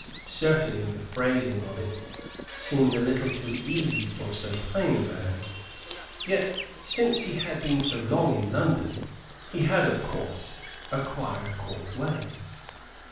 Certainly the phrasing of it seemed a little too easy for so plain a man, yet since he had been so long in London he had, of course, acquired Court ways.